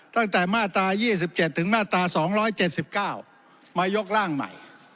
ตั้งแต่มาตรา๒๗ถึงมาตรา๒๗๙มายกร่างใหม่